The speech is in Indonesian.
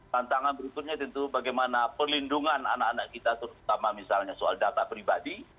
tantangan berikutnya tentu bagaimana perlindungan anak anak kita terutama misalnya soal data pribadi